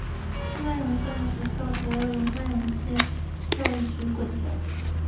曼绒县的学校主要由曼绒县教育局管辖。